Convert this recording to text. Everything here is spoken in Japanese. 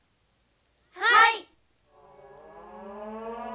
はい。